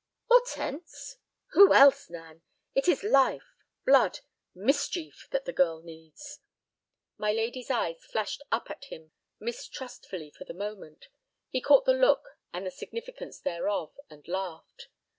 "Hortense?" "Who else, Nan? It is life, blood, mischief that the girl needs." My lady's eyes flashed up at him mistrustfully for the moment. He caught the look and the significance thereof, and laughed.